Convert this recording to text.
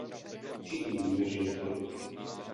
Všichni víme, že nikoli.